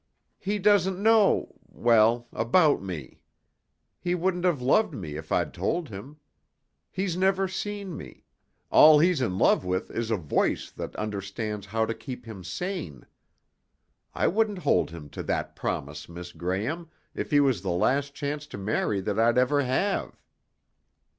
He doesn't know, well, about me. He wouldn't have loved me if I'd told him. He's never seen me; all he's in love with is a voice that understands how to keep him sane. I wouldn't hold him to that promise, Miss Graham, if he was the last chance to marry that I'd ever have."